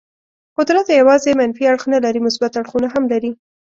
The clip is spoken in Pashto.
قدرت یوازې منفي اړخ نه لري، مثبت اړخونه هم لري.